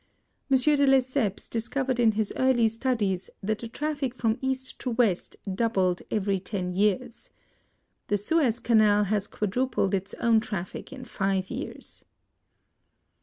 M. de Lesseps discovered in Xli PREFACE. his early studies that the traffic from East to West doubled every ten years. The Suez Canal has quadrupled its own traffic in five years.